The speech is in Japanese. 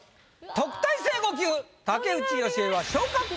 特待生５級竹内由恵は。